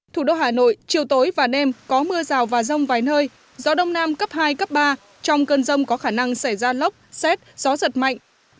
thủ đô hà nội chiều tối và đêm có mưa rào và rông vài nơi gió đông nam cấp hai cấp ba trong cơn rông có khả năng xảy ra lốc xét gió giật mạnh